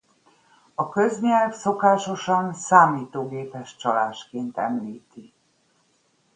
A köznyelv szokásosan számítógépes csalásként említi.